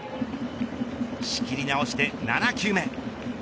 仕切り直して７球目。